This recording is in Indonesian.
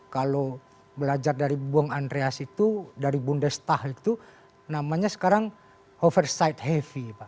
kalau belajar dari bung andreas itu dari bunda stahl itu namanya sekarang oversight heavy